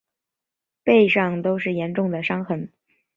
背上都是严重的伤痕